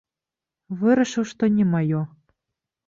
Вырашыў, што не маё.